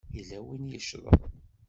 Yella win i yeccḍen.